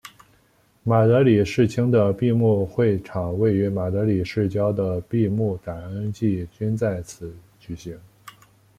马德里世青的闭幕会场位于马德里市郊的的闭幕感恩祭均在此举行。